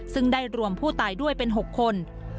ซึ่งได้รวมผู้ตายด้วยเป็น๖คน